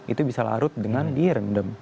itu bisa larut dengan direndam